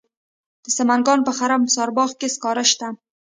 د سمنګان په خرم سارباغ کې سکاره شته.